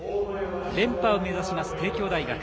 連覇を目指す帝京大学。